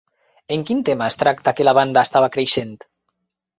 En quin tema es tracta que la banda estava creixent?